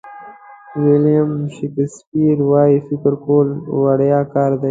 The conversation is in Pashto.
ویلیام شکسپیر وایي فکر کول وړیا کار دی.